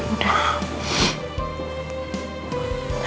udah pak udah